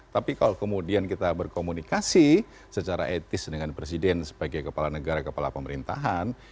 tapi kalau kemudian kita berkomunikasi secara etis dengan presiden sebagai kepala negara kepala pemerintahan